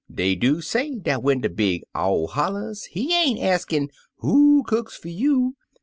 Dey do say dat when de big owl hollas, he ain't axin' *Who cooks fer you all?'